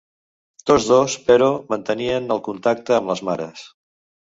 Tots dos, però, mantenien el contacte amb les mares.